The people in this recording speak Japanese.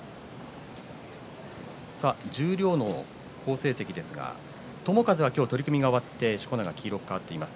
十両の好成績ですが友風は今日、取組が終わってしこ名が黄色く変わっています